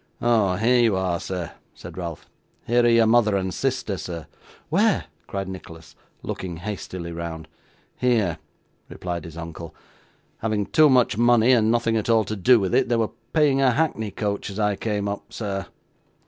'Oh! here you are, sir!' said Ralph. 'Here are your mother and sister, sir.' 'Where?' cried Nicholas, looking hastily round. 'Here!' replied his uncle. 'Having too much money and nothing at all to do with it, they were paying a hackney coach as I came up, sir.